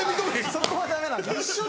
そこはダメなんだ。